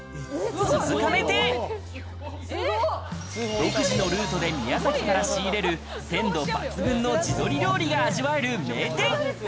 独自のルートで宮崎から仕入れる鮮度抜群の地鶏料理が味わえる名店。